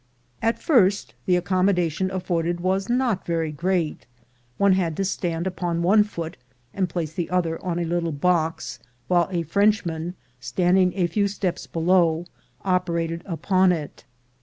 At first the accommodation af forded was not very great. One had to stand upon one foot and place the other on a little box, while a Frenchman, standing a few steps below, operated upon it.